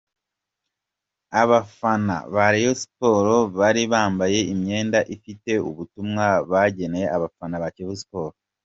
Abafana ba Rayon Sports bari bambaye imyenda ifite ubutumwa bageneye abafana ba Kiyovu Sports.